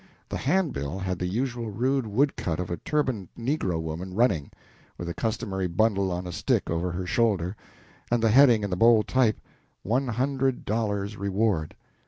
The handbill had the usual rude woodcut of a turbaned negro woman running, with the customary bundle on a stick over her shoulder, and the heading in bold type, "$100 Reward."